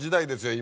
今。